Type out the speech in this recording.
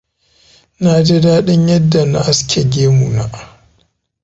Na ji daɗin yadda na aske gemu na.